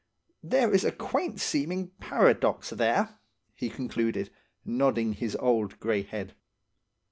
There is a quaint seeming paradox there," he concluded, nodding his old grey head.